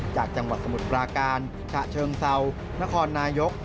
จากจังหวัดสมุทรปราการฉะเชิงเซานครนายก